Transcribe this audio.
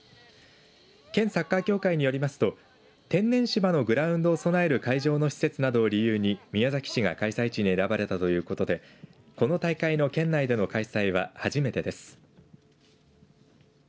県サッカー協会によりますと天然芝のグラウンドを備える会場の施設などを理由に宮崎市が開催地に選ばれたということでこの大会の県内での開催は初めてです。